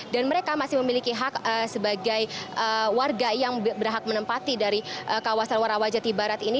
dan mereka masih memiliki hak sebagai warga yang berhak menempati dari kawasan rawajati barat ini